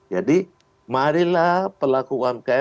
jadi marilah pelaku umkm bergega